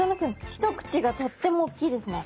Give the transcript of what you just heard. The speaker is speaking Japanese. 一口がとっても大きいですね。